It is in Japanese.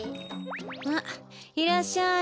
あっいらっしゃい。